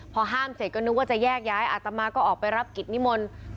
พอห้ามเสร็จก็นึกว่าจะแยกย้ายอาตมาก็ออกไปรับกิจนิมนต์